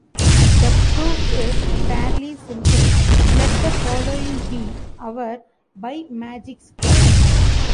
The proof is fairly simple: let the following be our bimagic square.